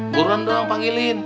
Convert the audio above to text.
buruan doang panggilin